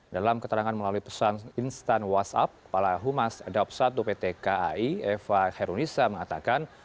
dalam keterangan melalui pesan instan whatsapp kepala humas adopsat dopti k a i eva herunisa mengatakan